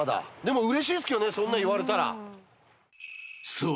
［そう。